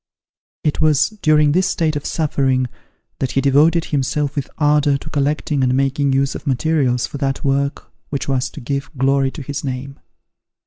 It was during this state of suffering, that he devoted himself with ardour to collecting and making use of materials for that work which was to give glory to his name.